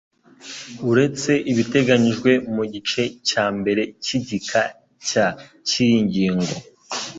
Uretse ibiteganyijwe mu gice cya mbere cy'igika cya cy'iyi ngingo